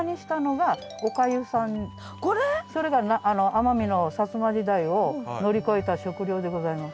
それが奄美の摩時代を乗り越えた食料でございます。